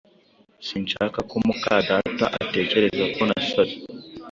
Sinshaka ko mukadata atekereza ko nasaze.